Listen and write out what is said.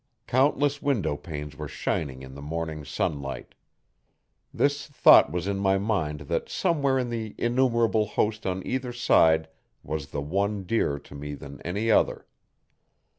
Countless window panes were shining in the morning sunlight. This thought was in my mind that somewhere in the innumerable host on either side was the one dearer to me than any other.